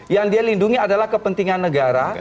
yang dia lindungi adalah kepentingan negara